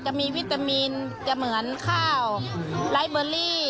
จะมีวิตามินจะเหมือนข้าวไลค์เบอร์รี่